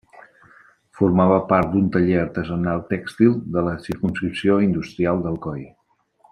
Formava part d'un taller artesanal tèxtil de la circumscripció industrial d'Alcoi.